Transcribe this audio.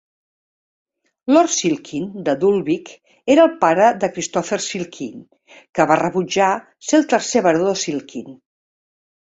Lord Silkin de Dulwich era el pare de Christopher Silkin, que va rebutjar ser el tercer Baró de Silkin.